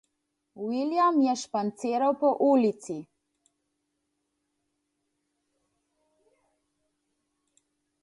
William je španciral po ulici.